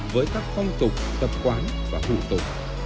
với các phong tục tập quán và hữu tục